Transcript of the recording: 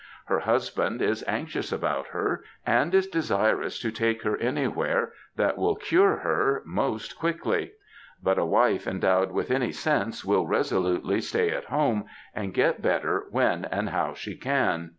Her husband is anxious about her, and is desirous to take her anywhere that will cure her most quickly ; but a wife endowed with any sense will resolutely stay at home, and get better when and how she can.